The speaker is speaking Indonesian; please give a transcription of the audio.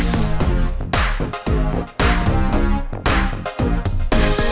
gue gak tahu apa apa